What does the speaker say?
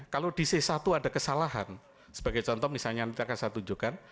kalau di c satu ada kesalahan sebagai contoh misalnya yang kita kasih tunjukkan